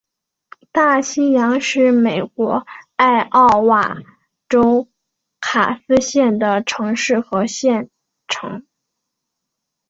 大西洋是美国艾奥瓦州卡斯县的城市和县城。